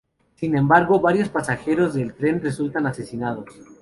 Sin embargo, varios pasajeros del tren resultan asesinados.